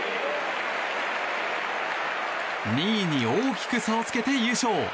２位に大きく差をつけて優勝。